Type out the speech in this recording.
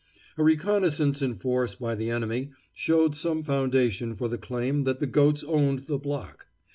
A reconnaissance in force by the enemy showed some foundation for the claim that the goats owned the block.